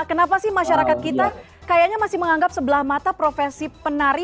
kenapa sih masyarakat kita kayaknya masih menganggap sebelah mata profesi penari